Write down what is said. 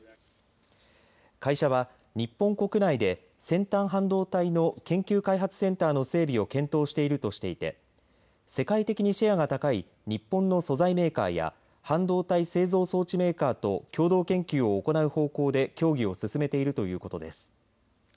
会社は日本国内で先端半導体の研究開発センターの整備を検討しているとしていて世界的にシェアが高い日本の素材メーカーや半導体製造装置メーカーと共同研究を行う方向で協議を進めているということです。